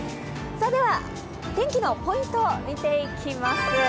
では、天気のポイント見ていきます。